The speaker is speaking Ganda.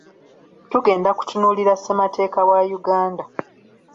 Tugenda kutunuulira ssemateeka wa Uganda.